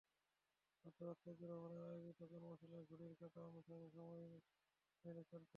অধ্যাপক সাইদুর রহমানের আয়োজিত কর্মশালায় ঘড়ির কাঁটা অনুসারে সময় মেনে চলতে হয়।